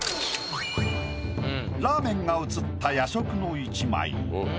ラーメンが写った夜食の一枚。